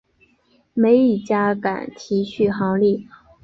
没一家敢提续航力